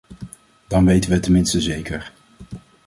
Dan weten we het tenminste zeker.